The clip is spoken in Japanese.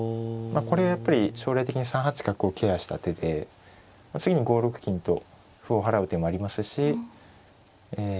これやっぱり将来的に３八角をケアした手で次に５六金と歩を払う手もありますしえ